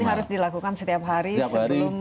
harus dilakukan setiap hari sebelum